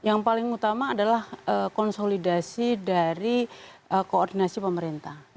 yang paling utama adalah konsolidasi dari koordinasi pemerintah